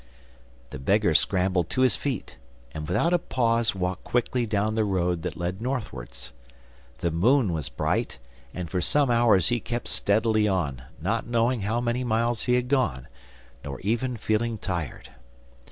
The beggar scrambled to his feet, and without a pause walked quickly down the road that led northwards. The moon was bright, and for some hours he kept steadily on, not knowing how many miles he had gone, nor even feeling tired.